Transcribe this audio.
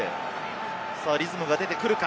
リズムが出てくるか。